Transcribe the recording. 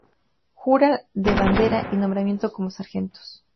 Jura de bandera y nombramiento como Sargentos.